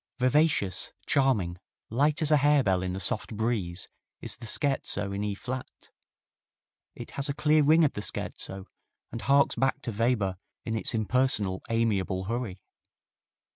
Vivacious, charming, light as a harebell in the soft breeze is the Scherzo in E flat. It has a clear ring of the scherzo and harks back to Weber in its impersonal, amiable hurry.